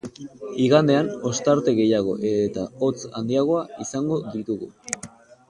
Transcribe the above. Igandean, ostarte gehiago eta hotz handiagoa izango ditugu.